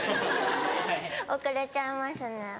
遅れちゃいますね。